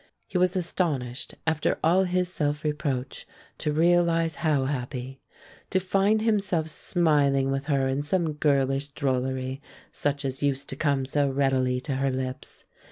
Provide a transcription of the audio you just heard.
He was astonished, after all his self reproach, to realize how happy; to find himself smiling with her in some girlish drollery such as used to come so readily to her lips.